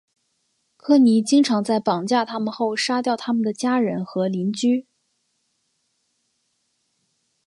科尼经常在绑架他们后杀掉他们的家人和邻居。